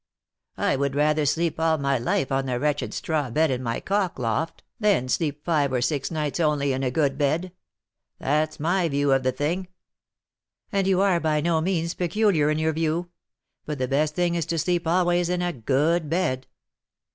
I would rather sleep all my life on the wretched straw bed in my cock loft, than sleep five or six nights only in a good bed. That's my view of the thing." "And you are by no means peculiar in your view; but the best thing is to sleep always in a good bed."